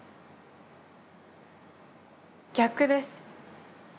逆です。